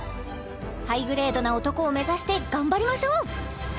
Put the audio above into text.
ハイグレードな男を目指して頑張りましょう！